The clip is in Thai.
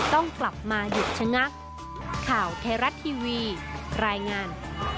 ต้องกลับมาหยุดชะงัก